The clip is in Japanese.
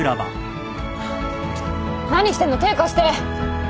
何してんの手貸して！